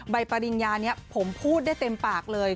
ปริญญานี้ผมพูดได้เต็มปากเลย